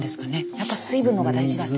やっぱ水分の方が大事だって。